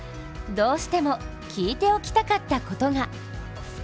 どうしても聞いておきたかったことが。